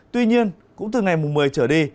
tuy nhiên cũng từ ngày một mươi trở đi